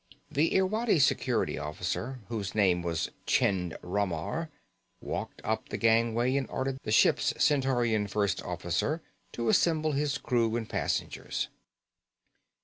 The Irwadi Security Officer, whose name was Chind Ramar, walked up the gangway and ordered the ship's Centaurian first officer to assemble his crew and passengers.